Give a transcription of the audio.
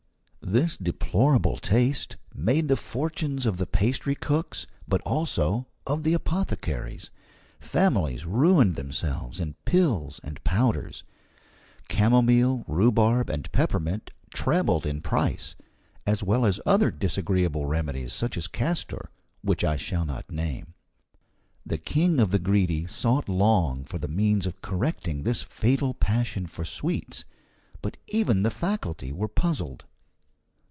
This deplorable taste made the fortunes of the pastry cooks, but also of the apothecaries. Families ruined themselves in pills and powders; camomile, rhubarb, and peppermint trebled in price, as well as other disagreeable remedies, such as castor which I will not name. The King of the Greedy sought long for the means of correcting this fatal passion for sweets, but even the faculty were puzzled.